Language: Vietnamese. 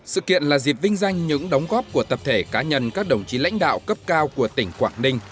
sự kiện là dịp vinh danh những đóng góp của tập thể cá nhân các đồng chí lãnh đạo cấp cao của tỉnh quảng ninh